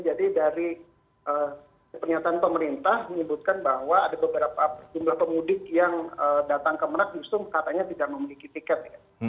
jadi dari pernyataan pemerintah menyebutkan bahwa ada beberapa jumlah pemudik yang datang ke merak justru katanya tidak memiliki tiket